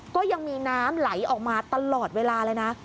ก็ยังมีน้ำไหลออกมาตลอดเวลาเลยนะ